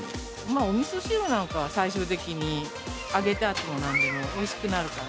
おみそ汁なんかは、最終的に揚げてあってもなんでもおいしくなるから。